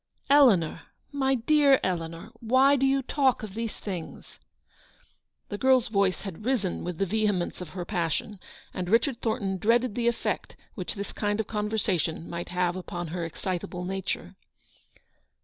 " Eleanor, my dear Eleanor ! why do you talk of these things? " The girl's voice had risen with the vehemence of her passion, and Kichard Thornton dreaded the effect which this kind of conversation might have upon her excitable nature.